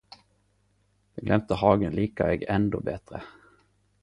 Den glemte hagen lika eg endå betre.